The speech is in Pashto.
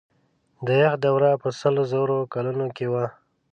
د یخ دوره په سلو زرو کلونو کې وه.